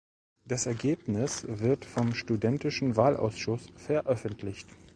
Das Ergebnis wird vom studentischen Wahlausschuss veröffentlicht.